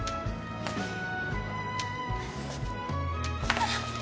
あっ！